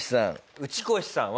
ウチコシさん